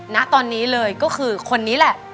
ณตอนนี้เลยก็คือคนนี้แหละ